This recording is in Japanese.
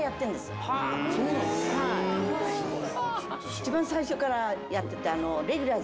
一番最初からやってて。